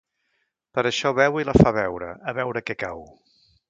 Per això beu i la fa beure, a veure què cau.